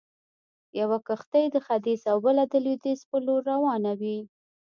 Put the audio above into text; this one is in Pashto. يوه کښتۍ د ختيځ او بله د لويديځ پر لور روانوي.